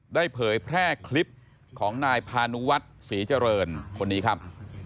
เผยแพร่คลิปของนายพานุวัฒน์ศรีเจริญคนนี้ครับ